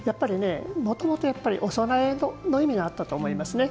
もともとお供えの意味があったんだと思います。